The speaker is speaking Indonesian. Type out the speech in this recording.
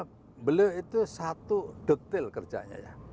ya beliau itu satu detail kerjanya ya